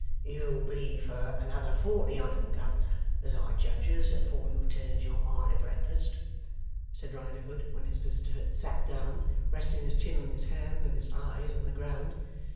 'You'll be for another forty on 'em, governor, as I judges, afore you turns your mind to breakfast,' said Riderhood, when his visitor sat down, resting his chin on his hand, with his eyes on the ground.